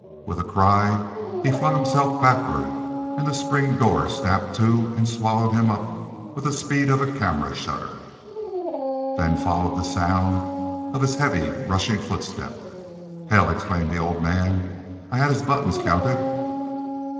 With a cry he flung himself backward, the spring door snapped to and swallowed him up with the speed of a camera shutter; then followed the sound of his heavy rushing footsteps. "Hell!" exclaimed the old man. "I had his buttons counted!"